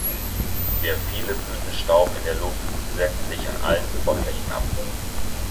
Der viele Blütenstaub in der Luft setzt sich an allem Oberflächen ab.